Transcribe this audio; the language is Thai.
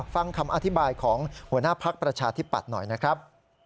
ฟังคำอธิบายของหัวหน้าพักประชาธิปัตย์หน่อยนะครับ